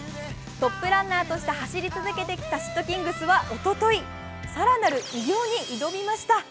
トップランナーとして走り続けてきたｓ＊＊ｔｋｉｎｇｚはおととい、更なる偉業に挑みました。